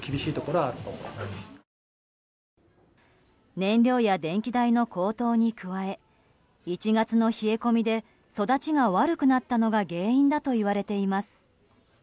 燃料や電気代の高騰に加え１月の冷え込みで育ちが悪くなったのが原因だといわれています。